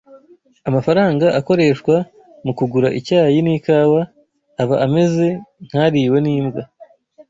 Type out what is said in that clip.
Amafaranga akoreshwa mu kugura icyayi n’ikawa aba ameze nk’ariwe n’imbwa;